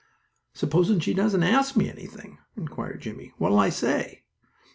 "S'posin' she doesn't ask me anything?" inquired Jimmie. "What'll I say?"